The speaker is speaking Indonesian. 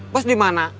bos di mana